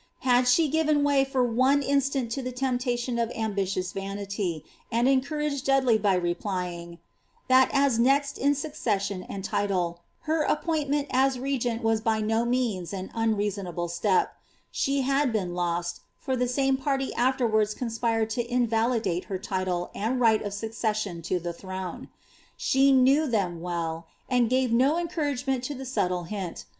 Had she given way for one instant to the temptation of ambitious vanity, and encou^ aged Dudley by replying, ^ That as next in succession tmd tUle^ her appointment as regent was by no means an unreasonable step,'' she bsd been lost, for the same party afterwards conspired to invalidate her tide and right of succession to the throne. She knew them well, and gave iio encouragement to the subtle hint.